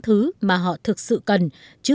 thứ mà họ thực sự cần chứ